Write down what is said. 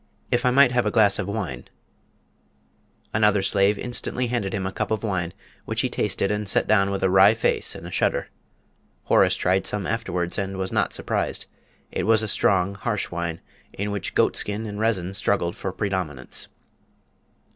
If I might have a glass of wine " Another slave instantly handed him a cup of wine, which he tasted and set down with a wry face and a shudder. Horace tried some afterwards, and was not surprised. It was a strong, harsh wine, in which goatskin and resin struggled for predominance.